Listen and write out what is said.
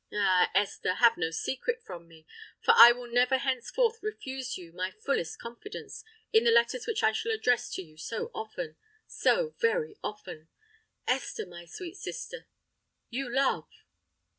Ah! Esther, have no secret from me—for I will never henceforth refuse you my fullest confidence, in the letters which I shall address to you so often—so very often! Esther, my sweet sister—you love!"